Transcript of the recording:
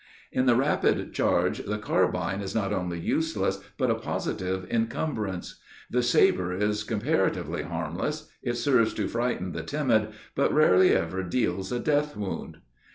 In the rapid charge the carbine is not only useless, but a positive incumbrance. The saber is comparatively harmless; it serves to frighten the timid, but rarely ever deals a death wound.